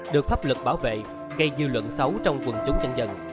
được pháp lực bảo vệ gây dư luận xấu trong quần chúng dân dân